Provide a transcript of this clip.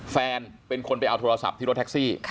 แฟนเป็นคนไปเอาโทรศัพท์ที่รถแท็กซี่